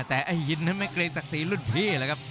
แต่ไอ้หินนั้นไม่เกรงศักดิ์ศรีรุ่นพี่เลยครับ